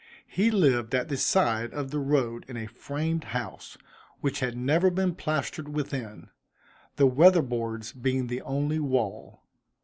He lived at the side, of the road, in a framed house, which had never been plastered within the weather boards being the only wall.